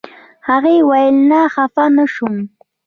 هغې ویل نه خپه نه شوم.